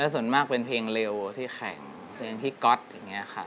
ส่วนมากเป็นเพลงเร็วที่แข่งเพลงที่ก๊อตอย่างนี้ค่ะ